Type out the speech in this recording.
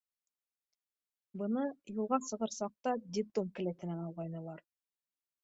Быны юлға сығыр саҡта детдом келәтенән алғайнылар.